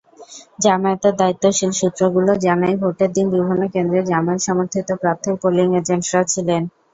জামায়াতের দায়িত্বশীল সূত্রগুলো জানায়, ভোটের দিন বিভিন্ন কেন্দ্রে জামায়াত-সমর্থিত প্রার্থীর পোলিং এজেন্টরা ছিলেন।